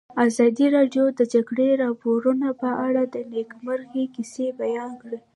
ازادي راډیو د د جګړې راپورونه په اړه د نېکمرغۍ کیسې بیان کړې.